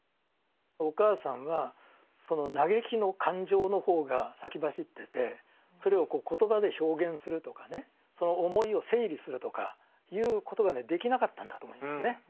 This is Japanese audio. お母さんはその嘆きの感情の方が先走っててそれを言葉で表現するとかねその思いを整理するとかいうことがねできなかったんだと思いますね